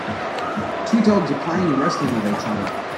Two dogs are playing and wrestling with each other.